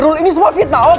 rule ini semua fitnah om